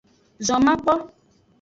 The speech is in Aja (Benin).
Zon makpo.